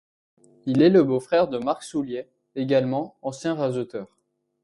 Il est le beau-frère de Marc Soulier, également ancien raseteur.